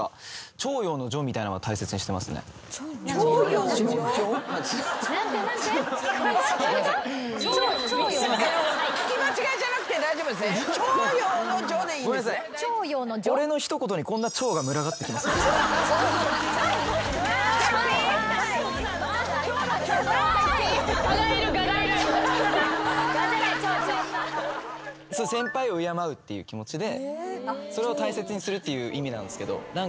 先輩を敬うっていう気持ちでそれを大切にするっていう意味なんですけど。